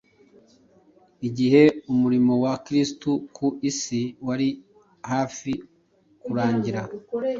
Igihe umurimo wa Kristo ku isi wari hafi kurangira